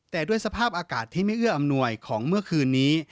แต่ด้วยสภาพอากาศที่ไม่เอื้ออำนวยของเมื่อคืนนี้